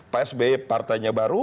pak sby partainya baru